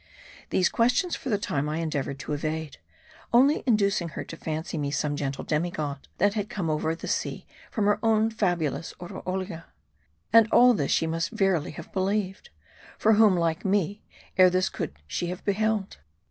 These questions for the time I endeavored to evade ; only inducing her to fancy me some gentle demi god, that had come over the sea from her own fabulous Oroolia. And all this she must verily have believed. For whom, like me, ere this could she have beheld